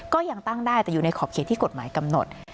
ก็ยังตั้งได้แต่อยู่ในขอบเขตที่กฎหมายกำหนด